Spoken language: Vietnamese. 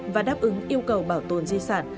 và đáp ứng yêu cầu bảo tồn di sản